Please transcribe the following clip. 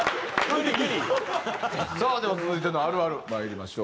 さあでは続いてのあるあるまいりましょう。